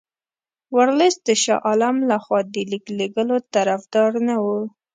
ورلسټ د شاه عالم له خوا د لیک لېږلو طرفدار نه وو.